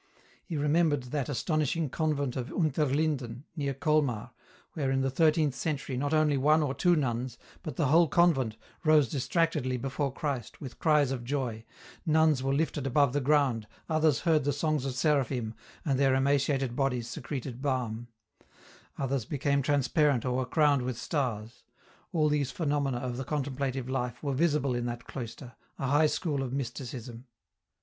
He remembered that astonishing convent of Unterlinden, near Colmar, where in the thirteenth century not only one or two nuns, but the whole convent, rose distractedly before Christ with cries of joy, nuns were lifted above the ground, others heard the songs of seraphim, and their emaciated bodies secreted balm ; others became transparent or were crowned with stars ; all tnese phenomena of the contemplative life were visible in that cloister, a high school of Mysticism.